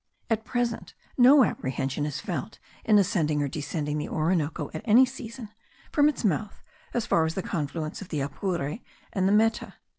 At present no apprehension is felt in ascending or descending the Orinoco, at any season, from its mouth as far as the confluence of the Apure and the Meta.